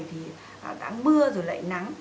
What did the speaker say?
thì đã mưa rồi lại nắng